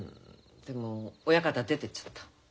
でも親方出てっちゃった。